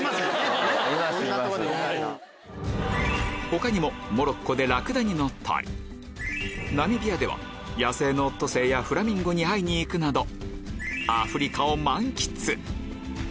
他にもモロッコでラクダに乗ったりナミビアでは野生のオットセイやフラミンゴに会いに行くなどアフリカを満喫